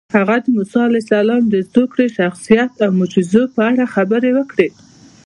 هغه د موسی علیه السلام د زوکړې، شخصیت او معجزو په اړه خبرې وکړې.